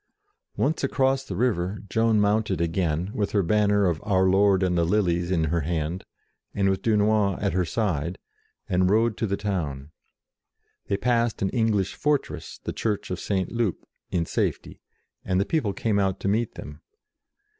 Once across the river, Joan mounted again, with her banner of Our Lord and the Lilies in her hand, and with Dunois at her side, and rode to the town. They passed an English fortress, the Church of St. Loup, in safety, and the people came out to meet them.